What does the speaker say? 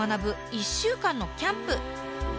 １週間のキャンプ。